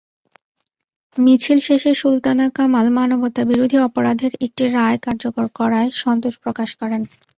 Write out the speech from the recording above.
মিছিল শেষে সুলতানা কামাল মানবতাবিরোধী অপরাধের একটি রায় কার্যকর করায় সন্তোষ প্রকাশ করেন।